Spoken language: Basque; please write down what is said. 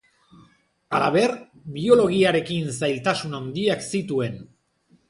Halaber, biologiarekin zailtasun handiak zituen.